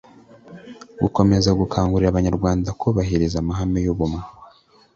Gukomeza gukangurira Abanyarwanda kubahiriza amahame y ubumwe